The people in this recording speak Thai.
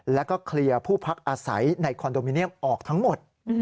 แล้วก็เคลียร์ผู้พักอาศัยในคอนโดมิเนียมออกทั้งหมด